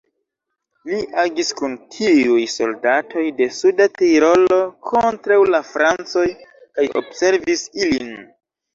Li agis kun tiuj soldatoj de Suda Tirolo kontraŭ la francoj kaj observis ilin.